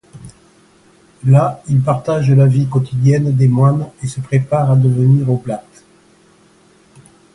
Là, il partage la vie quotidienne des moines et se prépare à devenir oblat.